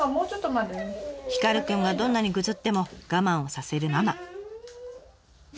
ヒカルくんがどんなにグズっても我慢をさせるママ。